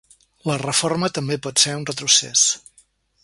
La reforma també pot ser un retrocés.